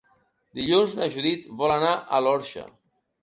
Dilluns na Judit vol anar a l'Orxa.